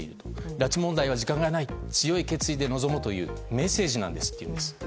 拉致問題は時間がない強い決意で臨むというメッセージなんですっていうんです。